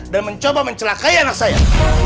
dan mencoba mencelakai anak saya